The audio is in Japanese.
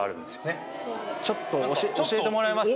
ちょっと教えてもらいますか。